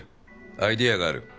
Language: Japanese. アイデアがある。